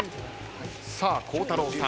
さあ孝太郎さん